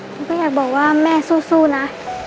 หนูก็อยากบอกว่าแม่สู้นะ